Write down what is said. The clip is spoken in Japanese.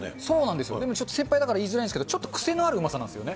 でもちょっと先輩だから言いづらいんですけど、癖のあるうまさですよね。